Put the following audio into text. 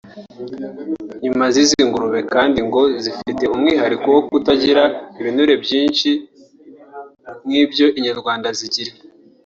Inyama z’izi ngurube kandi ngo zifite umwihariko wo kutagira ibunure byinshi nk’ ibyo inyarwanda zigira